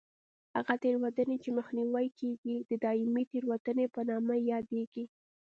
هغه تېروتنې چې مخنیوی یې کېږي د دایمي تېروتنې په نامه یادېږي.